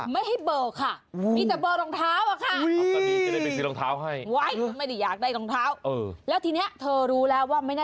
ไม่ให้เบอร์ค่ะมีแต่เบอร์รองเท้าอะค่ะ